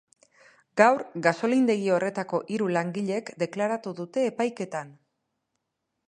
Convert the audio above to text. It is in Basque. Gaur gasolindegi horretako hiru langilek deklaratu dute epaiketan.